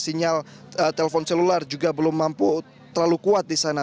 sinyal telpon selular juga belum mampu terlalu kuat di sana